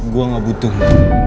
gua enggak butuhmu